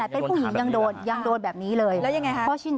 เป็นผู้หญิงยังโดนยังโดนแบบนี้เลยแล้วยังไงคะ